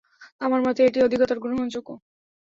আমার মতে, এটিই অধিকতর গ্রহণযোগ্য।